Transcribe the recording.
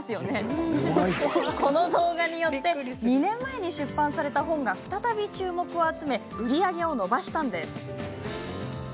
この動画によって２年前に出版された本が再び注目を集め売り上げを伸ばしたんです。